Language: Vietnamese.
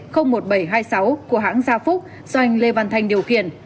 của hãng gia phúc do anh lê văn thanh điều khiển